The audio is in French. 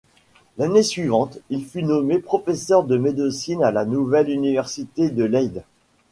L'année suivante, il fut nommé professeur de médecine à la nouvelle université de Leyde.